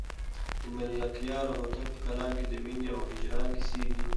د ملکیار هوتک په کلام کې د مینې او هجران کیسې دي.